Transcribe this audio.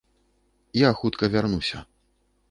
Я хутка вярнуся...